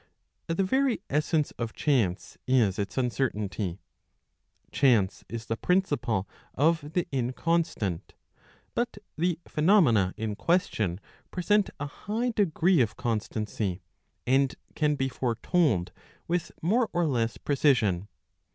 The very essence of chance is[^ its uncertainty. Chance is the principle of the inconstant. But the p'henomena in question present a high degree of constancy, and can be foretold with more or less precision.